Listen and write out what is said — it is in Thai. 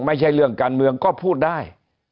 ไม่ใช่เรื่องการเมืองก็พูดได้